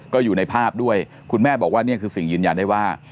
ก็อยู่ในภาพด้วยคุณแม่บอกว่านี่คือสิ่งยืนยันได้ว่า